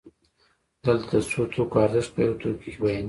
دلته د څو توکو ارزښت په یو توکي کې بیانېږي